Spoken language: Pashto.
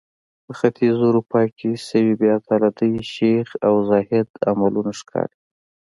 په ختیځه اروپا کې شوې بې عدالتۍ شیخ او زاهد عملونه ښکاري.